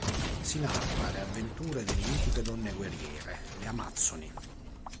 Si narra le avventure delle mitiche donne guerriere, le amazzoni.